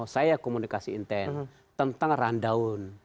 saya komunikasi intens tentang rundown